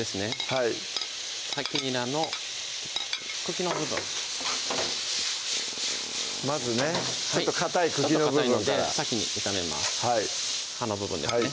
はいにらの茎の部分まずねかたい茎の部分からかたいので先に炒めます葉の部分ですね